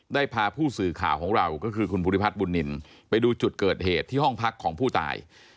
ได้พาผู้สื่อข่าวของเราก็คือคุณภูริพัฒน์บุญนินไปดูจุดเกิดเหตุที่ห้องพักของผู้ตาย